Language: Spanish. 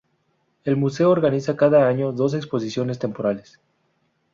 El museo organiza cada año dos exposiciones temporales.